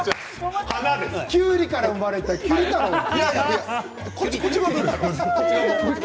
きゅうりから生まれたきゅうり太郎よ。